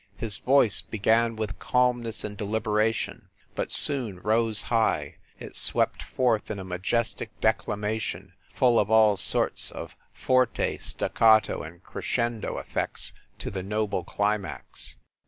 His voice be gan with calmness and deliberation, but soon rose high it swept forth in a majestic declamation full of all sorts of forte, staccato and crescendo effects to the noble climax.